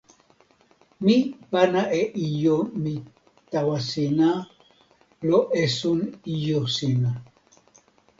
mi pana e ijo mi tawa sina lo esun ijo sina.